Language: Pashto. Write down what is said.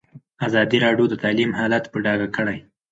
ازادي راډیو د تعلیم حالت په ډاګه کړی.